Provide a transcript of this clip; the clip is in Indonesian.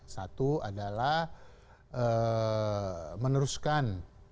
satu adalah meneruskan